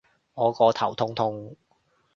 我個頭痛痛